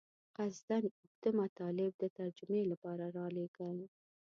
قصداً اوږده مطالب د ترجمې لپاره رالېږل.